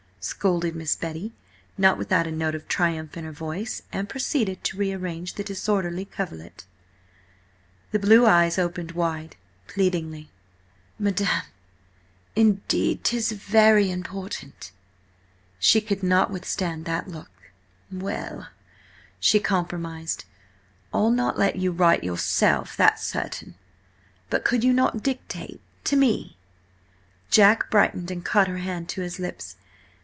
scolded Miss Betty, not without a note of triumph in her voice, and proceeded to rearrange the disorderly coverlet. The blue eyes opened wide, pleadingly. "Madam, indeed 'tis very important." She could not withstand that look. "Well," she compromised, "I'll not let you write yourself, that's certain–but could you not dictate to me?" Jack brightened, and caught her hand to his lips.